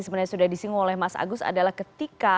sebenarnya sudah disinggung oleh mas agus adalah ketika